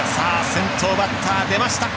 先頭バッター、出ました。